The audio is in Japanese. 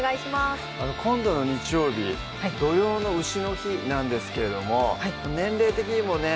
今度の日曜日土用の丑の日なんですけれども年齢的にもね